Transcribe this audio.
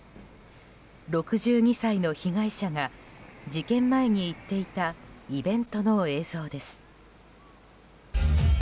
６２歳の被害者が事件前に行っていたイベントの映像です。